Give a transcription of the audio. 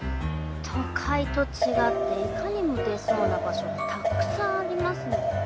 都会と違っていかにも出そうな場所たくさんありますね。